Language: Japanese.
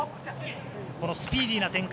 このスピーディーな展開